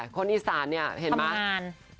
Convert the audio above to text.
คนอิสานเนี่ยเห็นมั้ยทำงาน